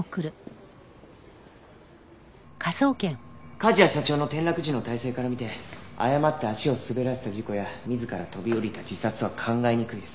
梶谷社長の転落時の体勢から見て誤って足を滑らせた事故や自ら飛び降りた自殺とは考えにくいです。